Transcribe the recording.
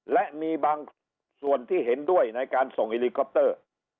และมีบางส่วนที่เห็นด้วยในการส่งเฮลิคอปเตอร์